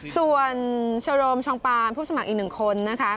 ส่วนชโรมชองปาร์มผู้สมัครอีกหนึ่งคนนะคะ